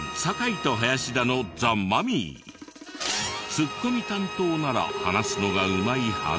ツッコミ担当なら話すのがうまいはず。